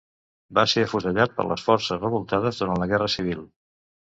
Va ser afusellat per les forces revoltades durant la Guerra civil.